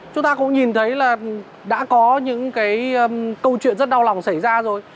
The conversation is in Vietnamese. chúng ta cũng nhìn thấy là đã có những cái câu chuyện rất đau lòng xảy ra rồi